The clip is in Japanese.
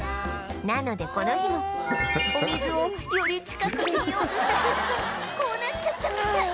なのでこの日もお水をより近くで見ようとした結果こうなっちゃったみたい